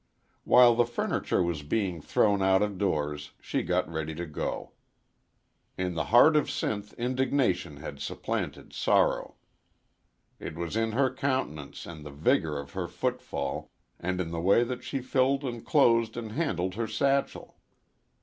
While the furniture was being thrown out ofdoors she got ready to go. In the heart of Sinth indignation had supplanted sorrow. It was in her countenance and the vigor of her foot fall and in the way that she filled and closed and handled her satchel.